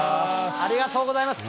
ありがとうございます。